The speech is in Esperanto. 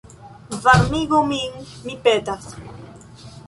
Varmigu min, mi petas.